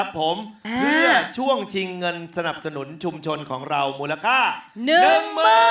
ผมเพื่อช่วงชิงเงินสนับสนุนชุมชนของเรามูลค่า๑๐๐๐บาท